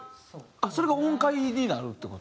それが音階になるって事？